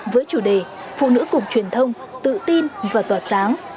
với chủ đề phụ nữ cục truyền thông tự tin và tỏa sáng